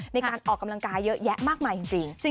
ในการออกกำลังกายเยอะแยะมากมายจริง